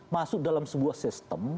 masuk dalam sebuah sistem